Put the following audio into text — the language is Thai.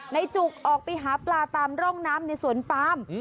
จุกออกไปหาปลาตามร่องน้ำในสวนปาม